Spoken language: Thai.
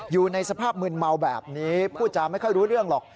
อยู่ในสภาพมืนเมาแบบนี้พูดจาไม่ค่อยรู้เรื่องหรอก